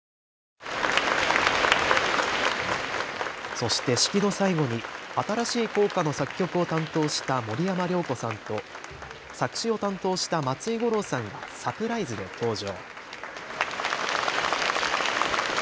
そして式の最後に新しい校歌の作曲を担当した森山良子さんと作詞を担当した松井五郎さんがサプライズで登場。